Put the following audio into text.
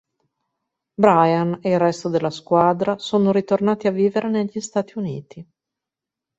Brian e il resto della squadra sono ritornati a vivere negli Stati Uniti.